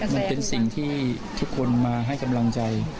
มันเป็นสิ่งที่ทุกคนมาให้กำลังใจ